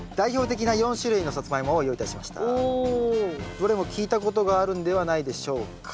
どれも聞いたことがあるんではないでしょうか。